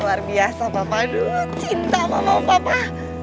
luar biasa papa aduh cinta mama papa